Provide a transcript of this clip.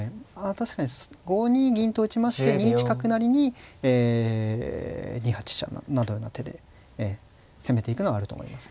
確かに５二銀と打ちまして２一角成にえ２八飛車などのような手で攻めていくのはあると思いますね。